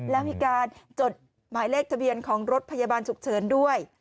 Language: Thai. แล้วมีการจดหมายเลขทะเบียนของรถพยาบาลฉุกเฉินด้วย